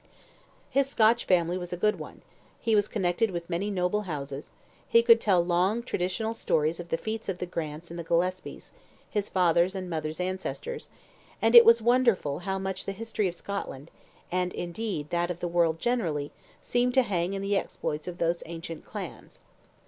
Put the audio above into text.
His Scotch family was a good one; he was connected with many noble houses; he could tell long traditional stories of the feats of the Grants and the Gillespies, his father's and mother's ancestors; and it was wonderful how much the history of Scotland, and indeed that of the world generally, seemed to hang on the exploits of those ancient clans.